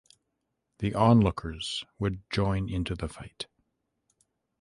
The onlookers would join into the fight.